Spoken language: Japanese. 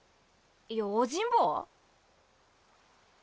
用心棒？